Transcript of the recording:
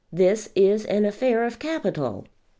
This is an affair of capital."